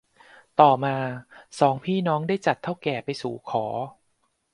ต่อมาสองพี่น้องได้จัดเถ้าแก่ไปสู่ขอ